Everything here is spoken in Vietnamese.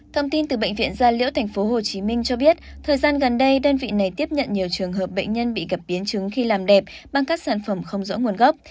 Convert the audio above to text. thông tin từ bệnh viện gia liễu tp hcm cho biết thời gian gần đây đơn vị này tiếp nhận nhiều trường hợp bệnh nhân bị gặp biến chứng khi làm đẹp bằng các sản phẩm không rõ nguồn gốc